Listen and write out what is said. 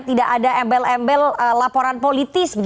tidak ada embel embel laporan politis